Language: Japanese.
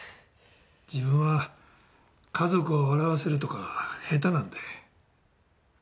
自分は家族を笑わせるとか下手なんで。